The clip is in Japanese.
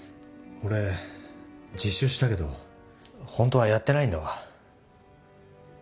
俺自首したけど本当はやってないんだわ。